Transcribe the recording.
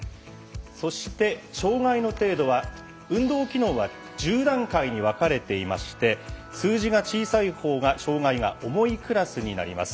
そして障がいの程度は運動機能は１０段階に分かれておりまして数字が小さい方が障がいが重いクラスになります。